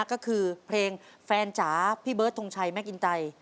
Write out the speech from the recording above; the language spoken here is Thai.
ก็คือเพลงแฟนจ๋าพี่เบิร์ดทงชัยแม่อินไต